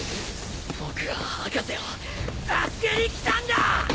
僕は博士を助けに来たんだ！